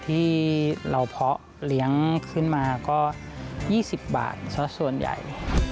ที่เราเพาะเลี้ยงขึ้นมาก็๒๐บาทสักส่วนใหญ่